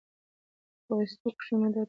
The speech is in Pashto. پۀ ويستو کښې مدد ورکوي